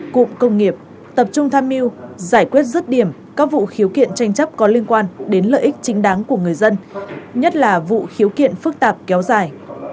cụm công nghiệp tập trung tham mưu giải quyết rứt điểm các vụ khiếu kiện tranh chấp có liên quan đến lợi ích chính đáng của người dân nhất là vụ khiếu kiện phức tạp kéo dài